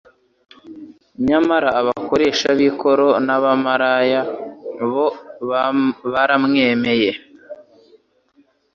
Nyamara abakoresha b'ikoro n'abamalaya bo baramwemeye;